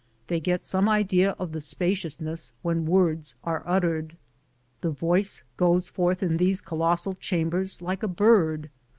They get some idea of the spacious ness when words are uttered. The voice goes forth in these colossal chambers like a bird.